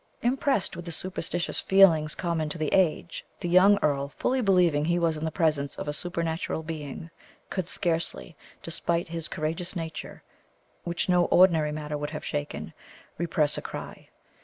Impressed with the superstitious feelings common to the age, the young earl, fully believing he was in the presence of a supernatural being, could scarcely, despite his courageous nature, which no ordinary matter would have shaken, repress a cry.